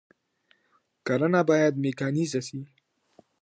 کرنه بايد ميکانيزه سي.